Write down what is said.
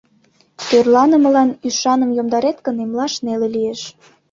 — Тӧрланымылан ӱшаным йомдарет гын, эмлаш неле лиеш.